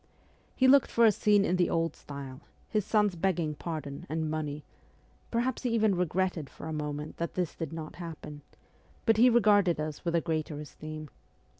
He looked for a scene in the old style his sons begging pardon, and money perhaps he even regretted for a moment that this did not happen ; but he regarded us with a greater esteem.